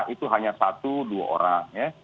itu hanya satu dua orang ya